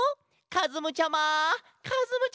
かずむちゃま！